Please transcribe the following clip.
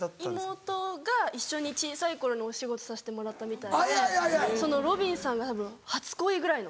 妹が一緒に小さい頃にお仕事させてもらったみたいで呂敏さんが初恋ぐらいの。